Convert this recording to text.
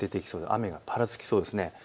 雨がぱらつきそうです。